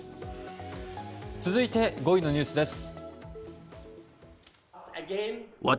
続いて５位のニュースです。